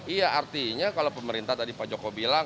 iya artinya kalau pemerintah tadi pak joko bilang